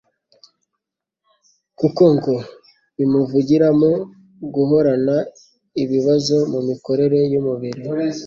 kuko ngo bimuviramo guhorana ibibazo mu mikorere y'umubiri.